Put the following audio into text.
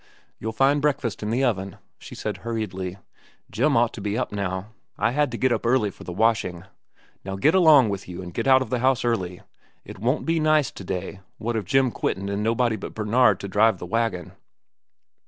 "You'll find breakfast in the oven," she said hurriedly. "Jim ought to be up now. I had to get up early for the washing. Now get along with you and get out of the house early. It won't be nice to day, what of Tom quittin' an' nobody but Bernard to drive the wagon."